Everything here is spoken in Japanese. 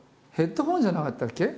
ヘッドホンじゃなかったっけ？